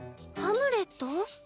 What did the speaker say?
「ハムレット」？